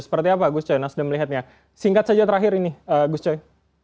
seperti apa gus coy nasdem melihatnya singkat saja terakhir ini gus coy